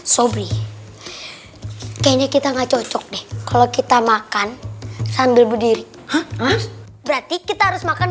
sobri kayaknya kita nggak cocok deh kalau kita makan sambil berdiri berarti kita harus makan